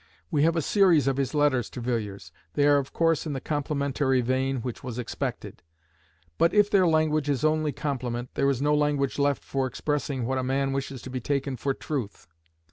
We have a series of his letters to Villiers; they are of course in the complimentary vein which was expected; but if their language is only compliment, there is no language left for expressing what a man wishes to be taken for truth.